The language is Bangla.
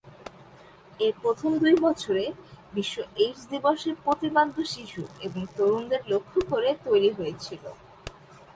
এর প্রথম দুই বছরে, বিশ্ব এইডস দিবসের প্রতিপাদ্য শিশু এবং তরুণদের লক্ষ্য করে তৈরি হয়েছিল।